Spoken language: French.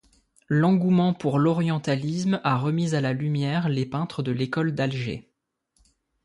L'engouement pour l'orientalisme a remis à la lumière les peintres de l'École d'Alger.